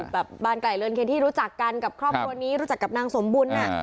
แบบบ้านไกลเรือนเคนที่รู้จักกันกับครอบครัวนี้รู้จักกับนางสมบุญ